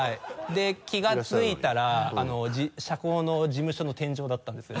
で気がついたら車校の事務所の天井だったんですよ。